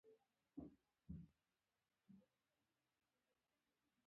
د کاندیدانو غومبر کابل پر سر اخیستی دی.